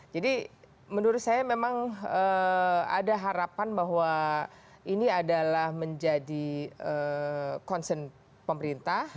jadi menurut saya memang ada harapan bahwa ini adalah menjadi konsen pemerintah